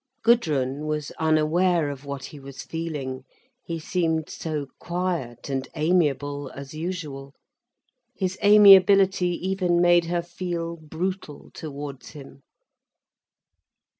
Gudrun was unaware of what he was feeling, he seemed so quiet and amiable, as usual. His amiability even made her feel brutal towards him.